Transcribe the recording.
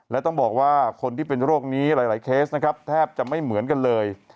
และต้องบอกว่าคนที่เป็นโรคนี้หลายเคสนะครับแทบจะไม่เหมือนกันเลย